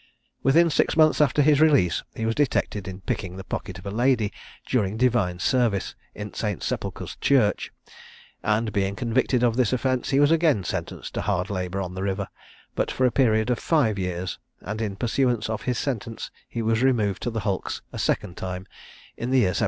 Within six months after his release, he was detected in picking the pocket of a lady during divine service in St. Sepulchre's church, and being convicted of this offence, he was again sentenced to hard labour on the river; but for a period of five years, and in pursuance of his sentence, he was removed to the hulks a second time, in the year 1778.